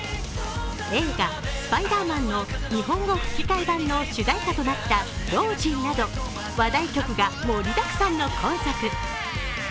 映画「スパイダーマン」の日本語吹き替え版の主題歌となった「Ｒｏｓｙ」など話題曲が盛りだくさんの今作。